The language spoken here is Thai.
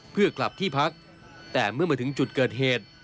เพื่อกลับที่พักแต่เมื่อมาถึงจุดเกิดเหตุ